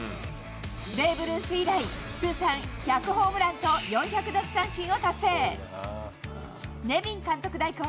ベーブ・ルース以来、通算１００ホームランと４００奪三振を達成。